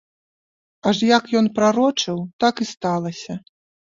Аж як ён прарочыў, так і сталася.